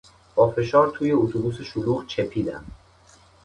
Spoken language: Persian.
با فشار توی اتوبوس شلوغ چپیدم.